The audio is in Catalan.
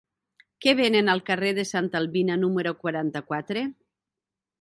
Què venen al carrer de Santa Albina número quaranta-quatre?